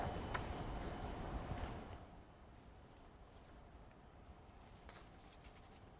báo kinh tế